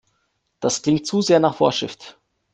Das klingt zu sehr nach Vorschrift.